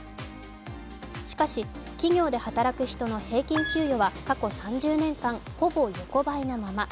しかし企業で働く人の平均給与は過去３０年間、ほぼ横ばいなまま。